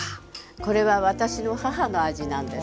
これは私の母の味なんです。